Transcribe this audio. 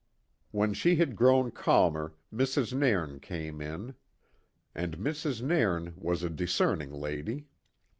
When she had grown calmer, Mrs. Nairn came in, and Mrs. Nairn was a discerning lady.